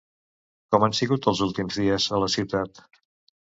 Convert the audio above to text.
Com han sigut els últims dies a la ciutat?